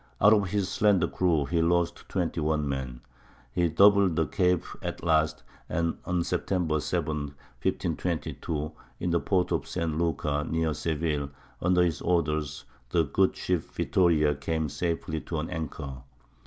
Out of his slender crew he lost 21 men. He doubled the Cape at last; and on September 7, 1522, in the port of St. Lucar, near Seville, under his orders, the good ship Vittoria came safely to an anchor.